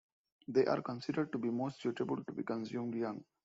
They are considered to be most suitable to be consumed young.